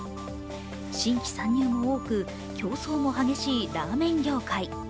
新規参入も多く、競争も激しいラーメン業界。